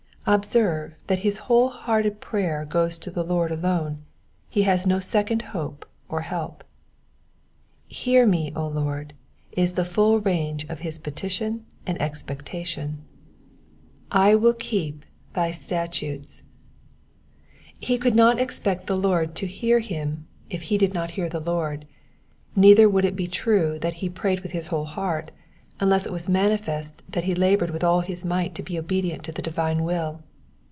Observe, that his whole hearted prayer goes to the Lord alone ; he has no second hope or help. Hear me, Ix>bd," is the full range of his petition and Digitized by VjOOQIC 310 EXPOSITIONS OP THE PSALMS. expectation. / will keep thy statutes.'*^ He could not cxpest the Lord to hear him if he did not hear the Lord, neither would it be true that he prayed with his whole heart unless it was naanifest that he laboured with all his might to be obedient to the divine will.